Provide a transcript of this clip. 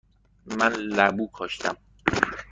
من لبو کاشتم.